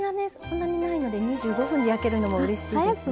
そんなにないので２５分で焼けるのもうれしいですね。